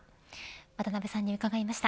渡辺さんに伺いました。